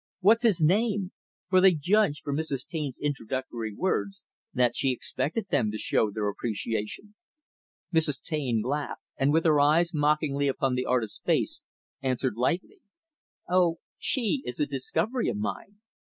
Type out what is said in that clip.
"What's his name?" for they judged, from Mrs. Taine's introductory words, that she expected them to show their appreciation. Mrs. Taine laughed, and, with her eyes mockingly upon the artist's face answered lightly, "Oh, she is a discovery of mine.